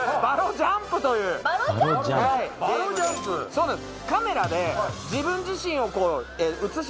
そうなんです。